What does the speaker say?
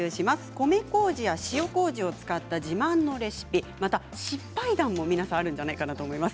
米こうじや塩こうじを使った自慢のレシピやまた失敗談も皆さんあるんじゃないかと思います。